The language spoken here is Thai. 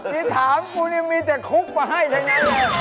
ที่ถามผมนี่จะคุกมาให้อย่างนั้นเลย